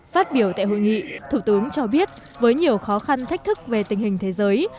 phát biểu tại hội nghị thủ tướng cho biết với nhiều khó khăn thách thức về tình hình thế giới